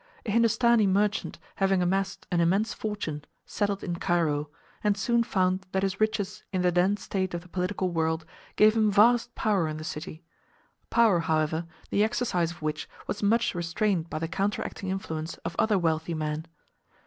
A Hindustanee merchant having amassed an immense fortune settled in Cairo, and soon found that his riches in the then state of the political world gave him vast power in the city—power, however, the exercise of which was much restrained by the counteracting influence of other wealthy men.